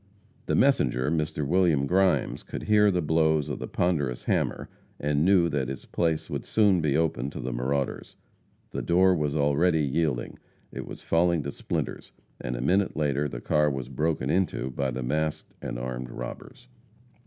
The messenger, Mr. William Grimes, could hear the blows of the ponderous hammer, and knew that his place would soon be open to the marauders. The door was already yielding it was falling to splinters, and a minute later the car was broken into by the masked and armed robbers.